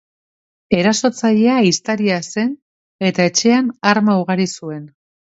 Erasotzailea ehiztaria zen eta etxean arma ugari zuen.